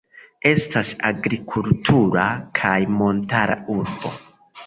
Estas agrikultura kaj montara urbo.